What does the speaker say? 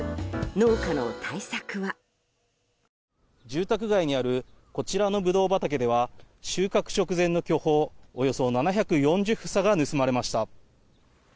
住宅街にあるこちらのブドウ畑では収穫直前の巨峰およそ７４０房が盗まれました。